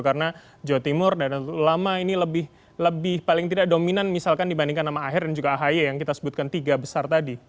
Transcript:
karena jawa timur nadatul ulama ini lebih paling tidak dominan misalkan dibandingkan nama aher dan juga ahy yang kita sebutkan tiga besar tadi